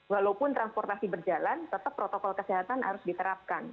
walaupun transportasi berjalan tetap protokol kesehatan harus diterapkan